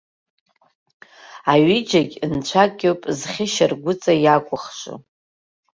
Аҩыџьагьы нцәак иоуп, зхьы шьаргәыҵа иакәыхшо.